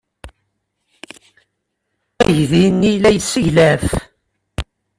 Aydi-nni la yesseglaf.